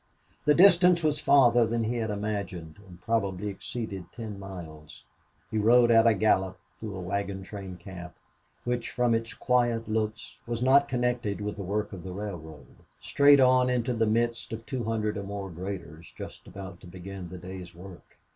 The distance was farther than he had imagined, and probably exceeded ten miles. He rode at a gallop through a wagontrain camp, which, from its quiet looks, was not connected with the work on the railroad, straight on into the midst of two hundred or more graders just about to begin the day's work.